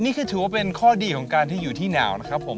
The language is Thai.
นี่คือถือว่าเป็นข้อดีของการที่อยู่ที่หนาวนะครับผม